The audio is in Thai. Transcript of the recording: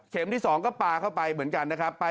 ที่๒ก็ปลาเข้าไปเหมือนกันนะครับ